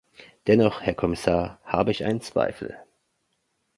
Dennoch, Herr Kommissar, habe ich einen Zweifel.